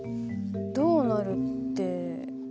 どうなるって。